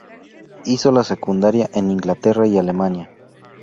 Hizo la secundaria en Inglaterra y Alemania.